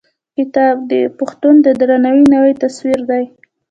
کتاب: دی د پښتون د درناوي نوی تصوير دی.